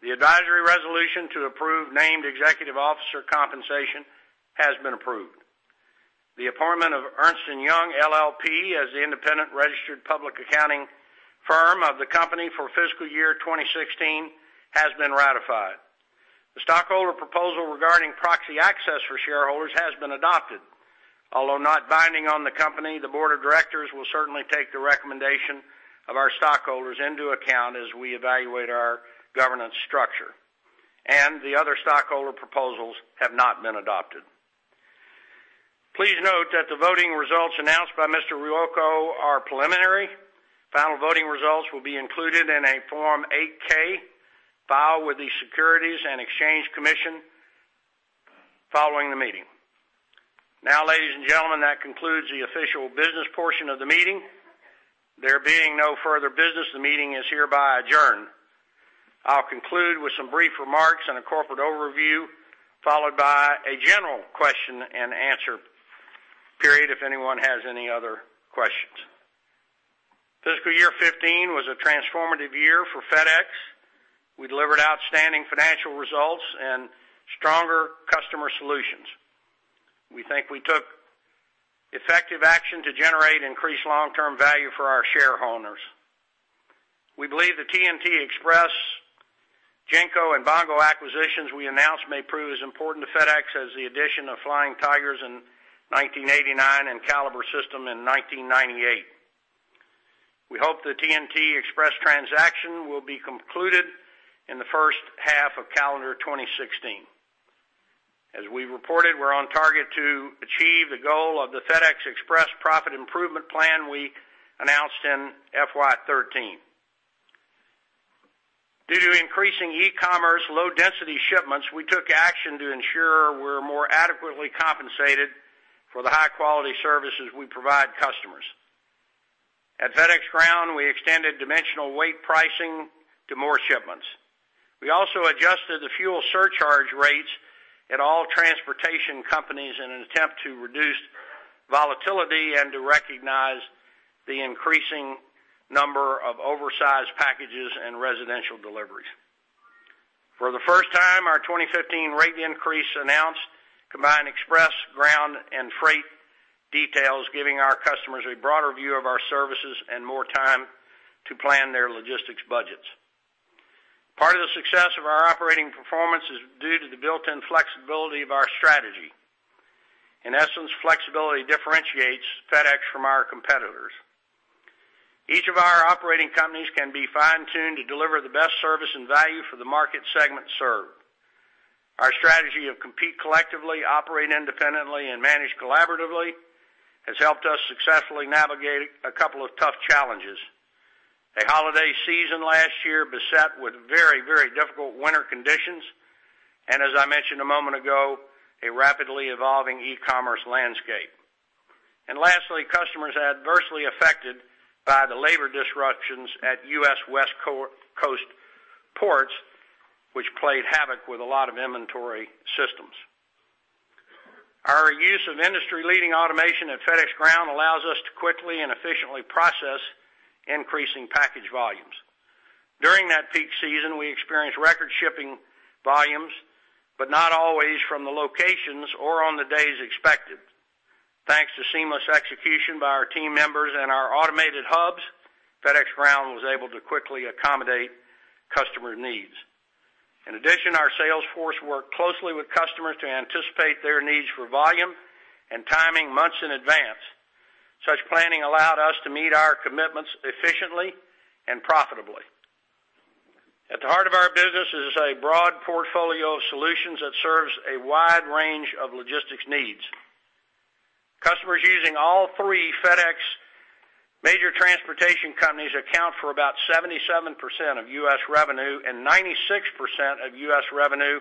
The advisory resolution to approve named executive officer compensation has been approved. The appointment of Ernst & Young, LLP, as the independent registered public accounting firm of the company for fiscal year 2016, has been ratified. The stockholder proposal regarding proxy access for shareholders has been adopted. Although not binding on the company, the board of directors will certainly take the recommendation of our stockholders into account as we evaluate our governance structure. The other stockholder proposals have not been adopted. Please note that the voting results announced by Mr. Ruocco are preliminary. Final voting results will be included in a Form 8-K filed with the Securities and Exchange Commission following the meeting. Now, ladies and gentlemen, that concludes the official business portion of the meeting. There being no further business, the meeting is hereby adjourned. I'll conclude with some brief remarks and a corporate overview, followed by a general question and answer period if anyone has any other questions. Fiscal year 2015 was a transformative year for FedEx. We delivered outstanding financial results and stronger customer solutions. We think we took effective action to generate increased long-term value for our shareholders. We believe the TNT Express, GENCO, and Bongo acquisitions we announced may prove as important to FedEx as the addition of Flying Tigers in 1989 and Caliber System in 1998.... We hope the TNT Express transaction will be concluded in the first half of calendar 2016. As we reported, we're on target to achieve the goal of the FedEx Express profit improvement plan we announced in FY 2013. Due to increasing e-commerce, low density shipments, we took action to ensure we're more adequately compensated for the high-quality services we provide customers. At FedEx Ground, we extended dimensional weight pricing to more shipments. We also adjusted the fuel surcharge rates at all transportation companies in an attempt to reduce volatility and to recognize the increasing number of oversized packages and residential deliveries. For the first time, our 2015 rate increase, announced combined Express, Ground, and Freight details, giving our customers a broader view of our services and more time to plan their logistics budgets. Part of the success of our operating performance is due to the built-in flexibility of our strategy. In essence, flexibility differentiates FedEx from our competitors. Each of our operating companies can be fine-tuned to deliver the best service and value for the market segment served. Our strategy of compete collectively, operate independently, and manage collaboratively has helped us successfully navigate a couple of tough challenges. A holiday season last year beset with very, very difficult winter conditions, and as I mentioned a moment ago, a rapidly evolving e-commerce landscape. And lastly, customers adversely affected by the labor disruptions at U.S. West Coast ports, which played havoc with a lot of inventory systems. Our use of industry-leading automation at FedEx Ground allows us to quickly and efficiently process increasing package volumes. During that peak season, we experienced record shipping volumes, but not always from the locations or on the days expected. Thanks to seamless execution by our team members and our automated hubs, FedEx Ground was able to quickly accommodate customer needs. In addition, our sales force worked closely with customers to anticipate their needs for volume and timing months in advance. Such planning allowed us to meet our commitments efficiently and profitably. At the heart of our business is a broad portfolio of solutions that serves a wide range of logistics needs. Customers using all three FedEx major transportation companies account for about 77% of U.S. revenue, and 96% of U.S. revenue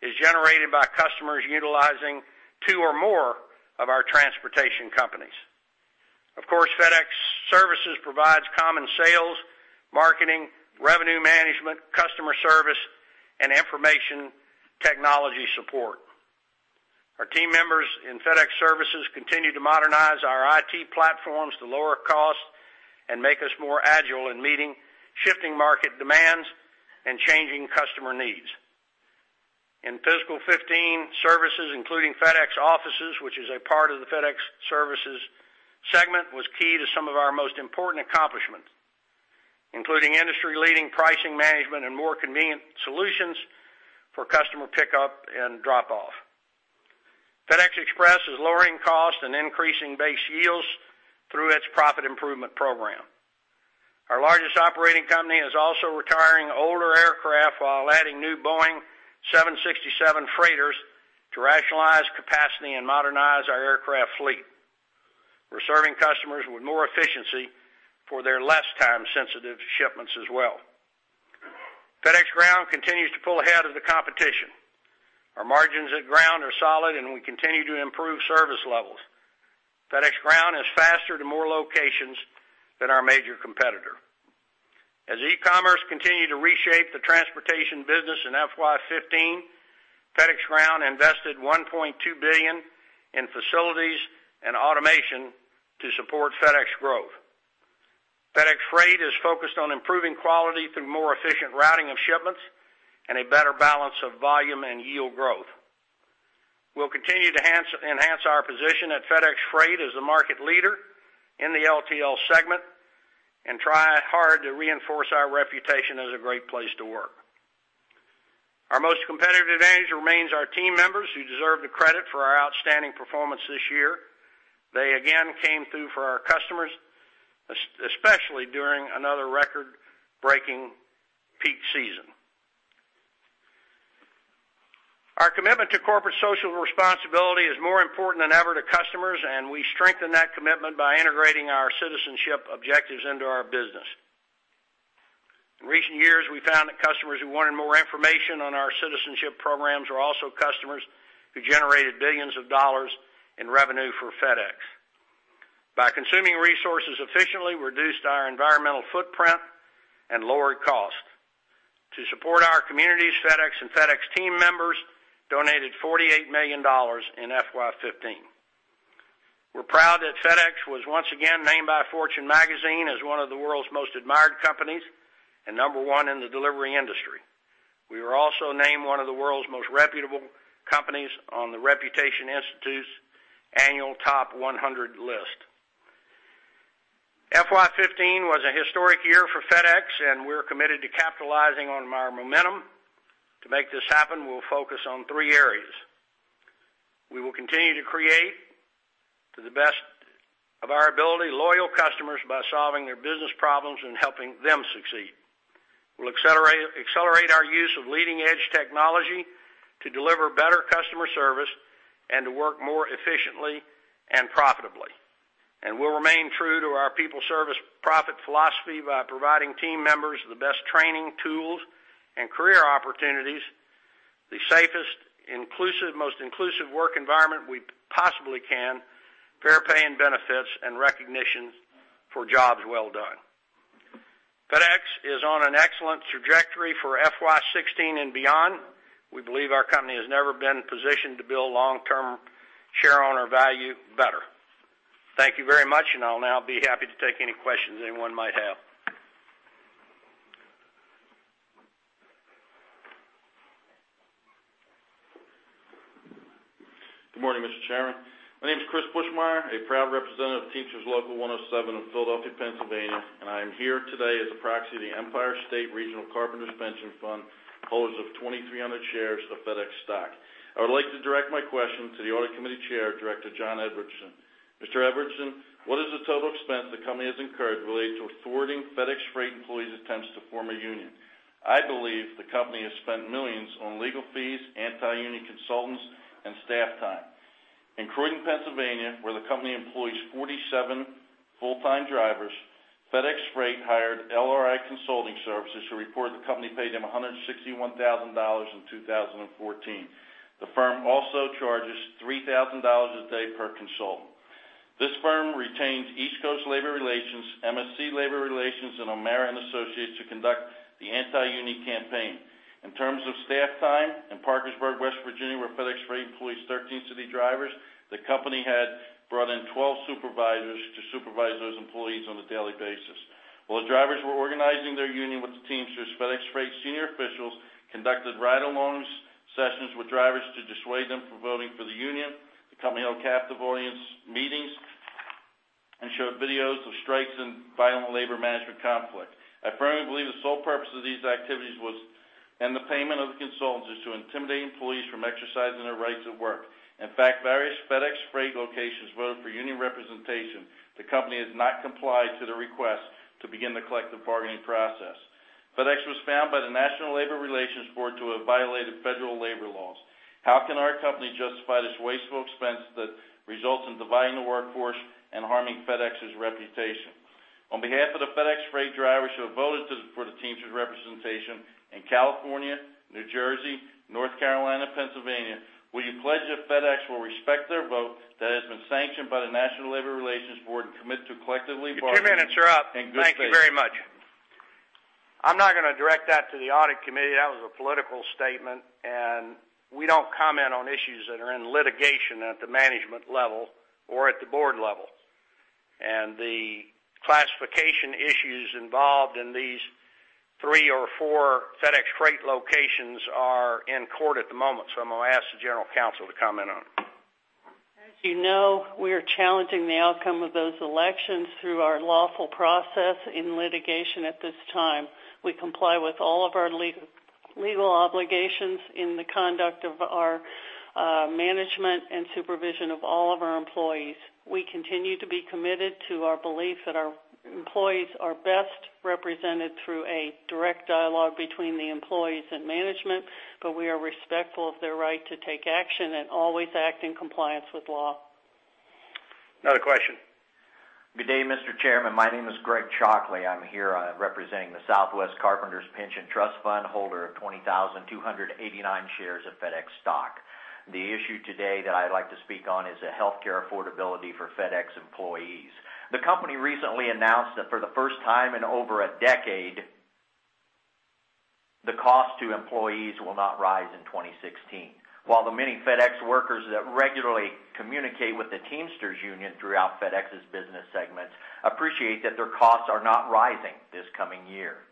is generated by customers utilizing two or more of our transportation companies. Of course, FedEx Services provides common sales, marketing, revenue management, customer service, and information technology support. Our team members in FedEx Services continue to modernize our IT platforms to lower costs and make us more agile in meeting shifting market demands and changing customer needs. In fiscal 2015, services, including FedEx Office, which is a part of the FedEx Services segment, was key to some of our most important accomplishments, including industry-leading pricing management and more convenient solutions for customer pickup and drop-off. FedEx Express is lowering costs and increasing base yields through its profit improvement program. Our largest operating company is also retiring older aircraft while adding new Boeing 767 freighters to rationalize capacity and modernize our aircraft fleet. We're serving customers with more efficiency for their less time-sensitive shipments as well. FedEx Ground continues to pull ahead of the competition. Our margins at Ground are solid, and we continue to improve service levels. FedEx Ground is faster to more locations than our major competitor. As e-commerce continued to reshape the transportation business in FY 2015, FedEx Ground invested $1.2 billion in facilities and automation to support FedEx growth. FedEx Freight is focused on improving quality through more efficient routing of shipments and a better balance of volume and yield growth. We'll continue to enhance our position at FedEx Freight as the market leader in the LTL segment and try hard to reinforce our reputation as a great place to work. Our most competitive advantage remains our team members, who deserve the credit for our outstanding performance this year. They again came through for our customers, especially during another record-breaking peak season. Our commitment to corporate social responsibility is more important than ever to customers, and we strengthen that commitment by integrating our citizenship objectives into our business. In recent years, we found that customers who wanted more information on our citizenship programs were also customers who generated billions of dollars in revenue for FedEx. By consuming resources efficiently, we reduced our environmental footprint and lowered costs. To support our communities, FedEx and FedEx team members donated $48 million in FY 2015. We're proud that FedEx was once again named by Fortune Magazine as one of the world's most admired companies and number 1 in the delivery industry. We were also named one of the world's most reputable companies on the Reputation Institute's annual Top 100 list. FY 15 was a historic year for FedEx, and we're committed to capitalizing on our momentum. To make this happen, we'll focus on three areas:... We will continue to create, to the best of our ability, loyal customers by solving their business problems and helping them succeed. We'll accelerate, accelerate our use of leading-edge technology to deliver better customer service and to work more efficiently and profitably. We'll remain true to our People-Service-Profit philosophy by providing team members the best training, tools, and career opportunities, the safest, inclusive, most inclusive work environment we possibly can, fair pay and benefits, and recognition for jobs well done. FedEx is on an excellent trajectory for FY 2016 and beyond. We believe our company has never been positioned to build long-term shareowner value better. Thank you very much, and I'll now be happy to take any questions anyone might have. Good morning, Mr. Chairman. My name is Chris Buschmeyer, a proud representative of Teamsters Local 107 in Philadelphia, Pennsylvania, and I am here today as a proxy of the Empire State Regional Carpenters Pension Fund, holders of 2,300 shares of FedEx stock. I would like to direct my question to the Audit Committee Chair, Director John Edwardson. Mr. Edwardson, what is the total expense the company has incurred related to thwarting FedEx Freight employees' attempts to form a union? I believe the company has spent millions on legal fees, anti-union consultants, and staff time. In Croydon, Pennsylvania, where the company employs 47 full-time drivers, FedEx Freight hired LRI Consulting Services, who report the company paid them $161,000 in 2014. The firm also charges $3,000 a day per consultant. This firm retains East Coast Labor Relations, M&C Labor Relations, and O'Mara and Associates to conduct the anti-union campaign. In terms of staff time, in Parkersburg, West Virginia, where FedEx Freight employs 13 city drivers, the company had brought in 12 supervisors to supervise those employees on a daily basis. While the drivers were organizing their union with the Teamsters, FedEx Freight senior officials conducted ride-along sessions with drivers to dissuade them from voting for the union. The company held captive audience meetings and showed videos of strikes and violent labor management conflict. I firmly believe the sole purpose of these activities was, and the payment of the consultants, is to intimidate employees from exercising their rights at work. In fact, various FedEx Freight locations voted for union representation. The company has not complied to the request to begin the collective bargaining process. FedEx was found by the National Labor Relations Board to have violated federal labor laws. How can our company justify this wasteful expense that results in dividing the workforce and harming FedEx's reputation? On behalf of the FedEx Freight drivers who have voted for the Teamsters representation in California, New Jersey, North Carolina, Pennsylvania, will you pledge that FedEx will respect their vote that has been sanctioned by the National Labor Relations Board and commit to collectively bargaining? Your two minutes are up. Thank you very much. I'm not gonna direct that to the Audit Committee. That was a political statement, and we don't comment on issues that are in litigation at the management level or at the board level. The classification issues involved in these three or four FedEx Freight locations are in court at the moment, so I'm going to ask the General Counsel to comment on it. As you know, we are challenging the outcome of those elections through our lawful process in litigation at this time. We comply with all of our legal, legal obligations in the conduct of our, management and supervision of all of our employees. We continue to be committed to our belief that our employees are best represented through a direct dialogue between the employees and management, but we are respectful of their right to take action and always act in compliance with law. Another question. Good day, Mr. Chairman. My name is Greg Chalkley. I'm here, representing the Southwest Carpenters Pension Trust Fund, holder of 20,289 shares of FedEx stock. The issue today that I'd like to speak on is the healthcare affordability for FedEx employees. The company recently announced that for the first time in over a decade, the cost to employees will not rise in 2016. While the many FedEx workers that regularly communicate with the Teamsters union throughout FedEx's business segments appreciate that their costs are not rising this coming year,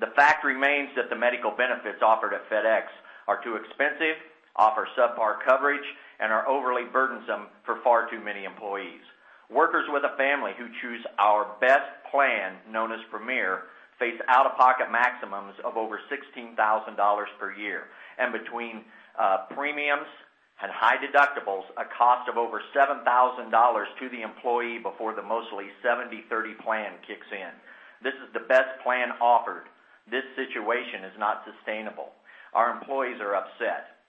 the fact remains that the medical benefits offered at FedEx are too expensive, offer subpar coverage, and are overly burdensome for far too many employees. Workers with a family who choose our best plan, known as Premier, face out-of-pocket maximums of over $16,000 per year, and between premiums and high deductibles, a cost of over $7,000 to the employee before the mostly 70/30 plan kicks in. This is the best plan offered. This situation is not sustainable. Our employees are upset.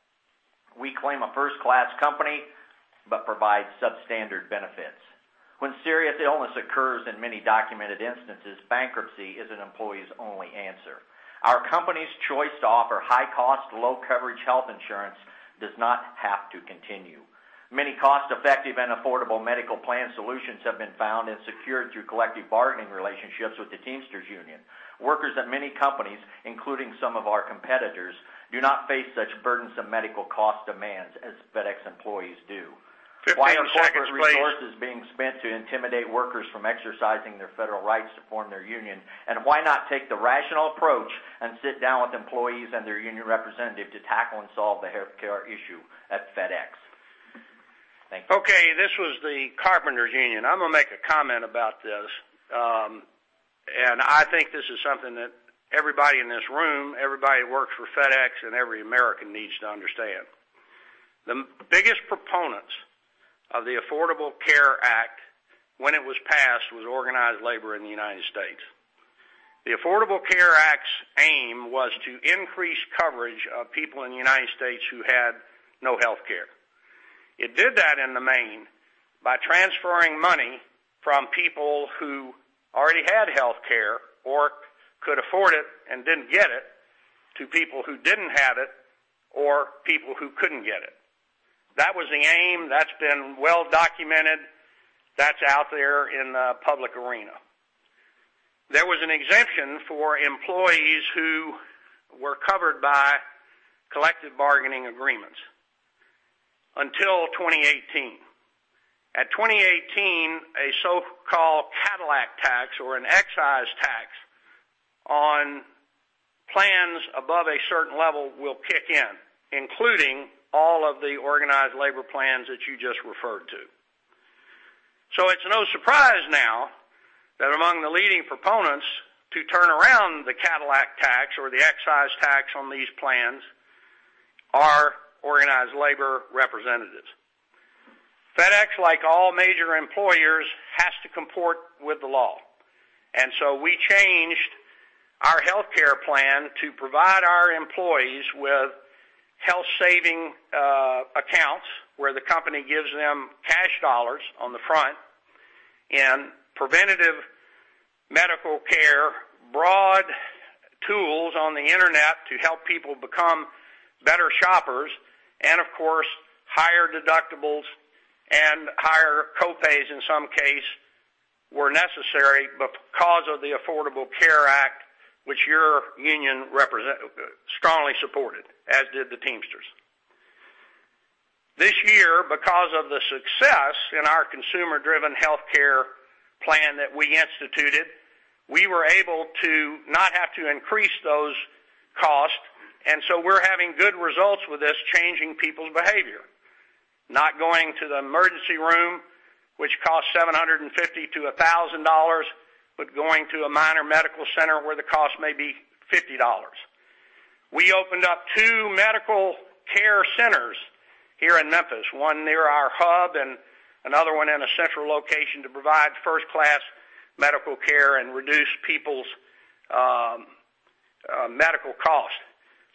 We claim a first-class company, but provide substandard benefits. When serious illness occurs in many documented instances, bankruptcy is an employee's only answer. Our company's choice to offer high-cost, low-coverage health insurance does not have to continue. Many cost-effective and affordable medical plan solutions have been found and secured through collective bargaining relationships with the Teamsters union. Workers at many companies, including some of our competitors, do not face such burdensome medical cost demands as FedEx employees do. 15 seconds please. Why are corporate resources being spent to intimidate workers from exercising their federal rights to form their union? And why not take the rational approach and sit down with employees and their union representative to tackle and solve the healthcare issue at FedEx? Thank you. Okay, this was the Carpenters Union. I'm gonna make a comment about this. I think this is something that everybody in this room, everybody who works for FedEx, and every American needs to understand. The biggest proponents of the Affordable Care Act, when it was passed, was organized labor in the United States. The Affordable Care Act's aim was to increase coverage of people in the United States who had no health care. It did that in the main by transferring money from people who already had health care or could afford it and didn't get it, to people who didn't have it or people who couldn't get it. That was the aim. That's been well documented. That's out there in the public arena. There was an exemption for employees who were covered by collective bargaining agreements until 2018. In 2018, a so-called Cadillac tax or an excise tax on plans above a certain level will kick in, including all of the organized labor plans that you just referred to. So it's no surprise now that among the leading proponents to turn around the Cadillac tax or the excise tax on these plans are organized labor representatives. FedEx, like all major employers, has to comport with the law, and so we changed our health care plan to provide our employees with health savings accounts, where the company gives them cash dollars on the front and preventative medical care, broad tools on the Internet to help people become better shoppers, and of course, higher deductibles and higher co-pays in some cases were necessary because of the Affordable Care Act, which your union representatives strongly supported, as did the Teamsters. This year, because of the success in our consumer-driven health care plan that we instituted, we were able to not have to increase those costs, and so we're having good results with this, changing people's behavior. Not going to the emergency room, which costs $750-$1,000, but going to a minor medical center where the cost may be $50. We opened up two medical care centers here in Memphis, one near our hub and another one in a central location, to provide first-class medical care and reduce people's medical costs.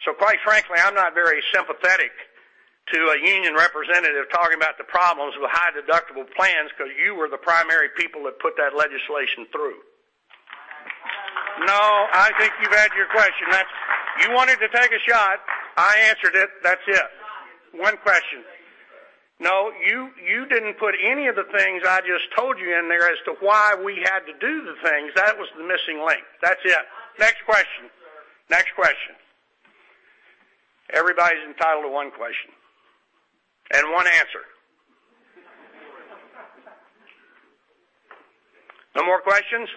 So quite frankly, I'm not very sympathetic to a union representative talking about the problems with high deductible plans because you were the primary people that put that legislation through. No, I think you've had your question. That's it. You wanted to take a shot. I answered it. That's it. One question. No, you, you didn't put any of the things I just told you in there as to why we had to do the things. That was the missing link. That's it. Next question. Next question. Everybody's entitled to one question and one answer. No more questions?